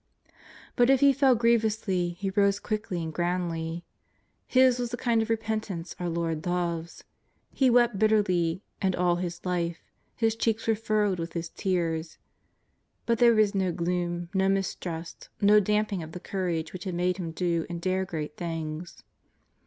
But if he fell griev ously he rose quickly and grandly. His was the kind of repentance our Lord loves. He wept bitterly, and all his life, his cheeks were furrowed with his tears. But there was no gloom, no mistrust, no damping of the courage which had made him do and dare great things.